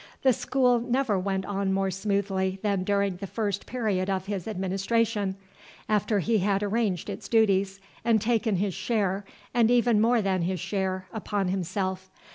The school never went on more smoothly than during the first period of his administration, after he had arranged its duties, and taken his share, and even more than his share, upon himself.